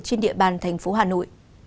trên địa bàn tp hà nội